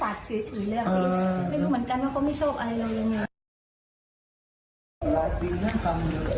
ไม่รู้เหมือนกันว่าเขาไม่ชอบอะไรเรายังไง